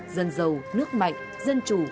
dân giàu nước mạnh dân chủ